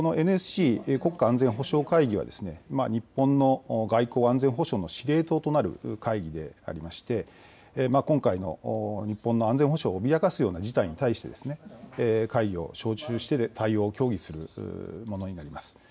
ＮＳＣ・国家安全保障会議は日本の外交安全保障の司令塔となる会議でありまして今回の日本の安全保障を脅かすような事態に対して会議を招集して対応を協議するものになります。